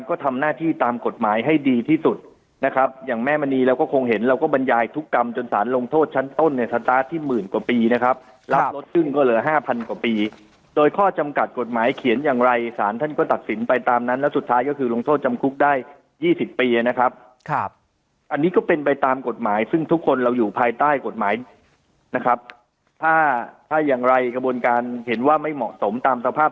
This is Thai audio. โกงประชาชนร่วมกันเช่าโกงประชาชนร่วมกันเช่าโกงประชาชนร่วมกันเช่าโกงประชาชนร่วมกันเช่าโกงประชาชนร่วมกันเช่าโกงประชาชนร่วมกันเช่าโกงประชาชนร่วมกันเช่าโกงประชาชนร่วมกันเช่าโกงประชาชนร่วมกันเช่าโกงประชาชนร่วมกันเช่าโกงประชาชนร่วมกันเช่าโ